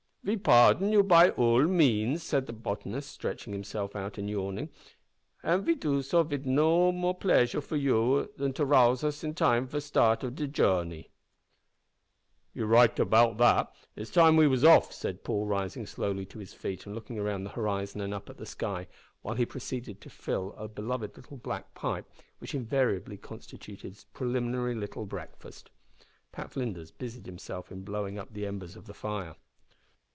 '" "Ve pardon you, by all means," said the botanist stretching himself and yawning, "and ve do so vid de more pleasure for you has rouse us in time for start on de joorney." "You're about right. It's time we was off," said Paul, rising slowly to his feet and looking round the horizon and up at the sky, while he proceeded to fill a beloved little black pipe, which invariably constituted his preliminary little breakfast. Pat Flinders busied himself in blowing up the embers of the fire.